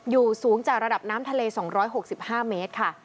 สูงจากระดับน้ำทะเล๒๖๕เมตรค่ะ